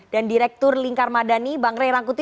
direktur lingkar madani bang ray rangkuti